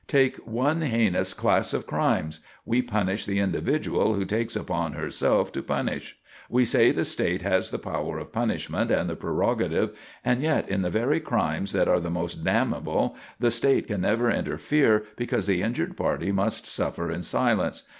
Take one heinous class of crimes; we punish the individual who takes upon herself to punish. We say the State has the power of punishment and the prerogative; and yet in the very crimes that are the most damnable, the State can never interfere because the injured party must suffer in silence.